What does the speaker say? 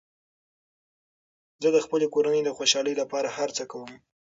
زه د خپلې کورنۍ د خوشحالۍ لپاره هر څه کوم.